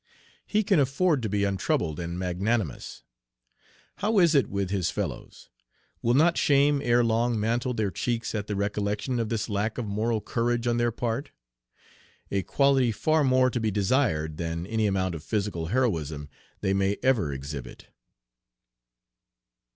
He can afford to be untroubled and magnanimous. How is it with his fellows? Will not shame ere long mantle their cheeks at the recollection of this lack of moral courage on their part? A quality far more to be desired than any amount of physical heroism they may ever exhibit."